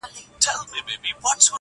ما ته خدای وو دا وړیا نغمت راکړی!!